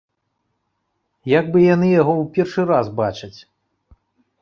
Як бы яны яго ў першы раз бачаць!